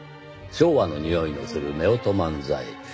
「昭和の匂いのする夫婦漫才」